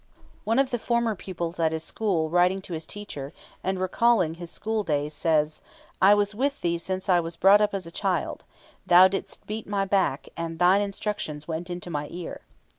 One of the former pupils at his school writing to his teacher, and recalling his school days, says: "I was with thee since I was brought up as a child; thou didst beat my back, and thine instructions went into my ear."